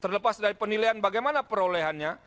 terlepas dari penilaian bagaimana perolehannya